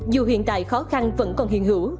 dù hiện tại khó khăn vẫn còn hiện hữu